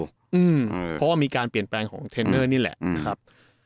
เพราะว่ามีการเปลี่ยนแปลงของเทรนเนอร์นี่แหละนะครับ